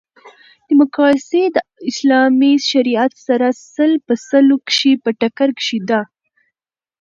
ډیموکاسي د اسلامي شریعت سره سل په سلو کښي په ټکر کښي ده.